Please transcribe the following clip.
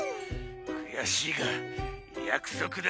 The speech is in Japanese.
くやしいがやくそくだ！